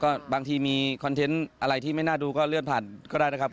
ก็บางทีมีคอนเทนต์อะไรที่ไม่น่าดูก็เลื่อนผ่านก็ได้นะครับ